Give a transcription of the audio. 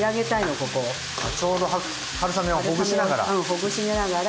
ちょうど春雨をほぐしながら。